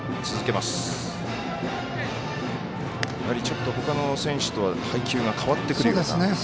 やはりちょっとほかの選手とは配球が変わってくるような。